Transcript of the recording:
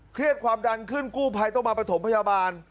ความดันขึ้นกู้ภัยต้องมาประถมพยาบาล